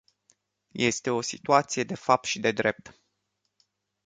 Este o situație de fapt și de drept.